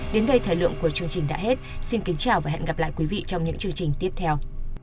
đến đây thời lượng của chương trình đã hết xin kính chào và hẹn gặp lại quý vị trong những chương trình tiếp theo